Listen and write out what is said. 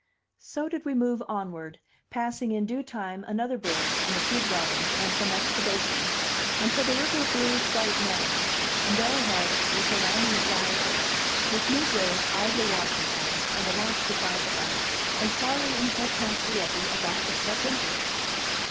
So did we move onward, passing in due time another bridge and a few dwellings and some excavations, until the river grew quite narrow, and there ahead was the landing at Live Oaks, with negroes idly watching for us, and a launch beside the bank, and Charley and Hortense Rieppe about to step into it.